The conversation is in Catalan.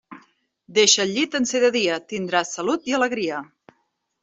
Deixa el llit en ser de dia: tindràs salut i alegria.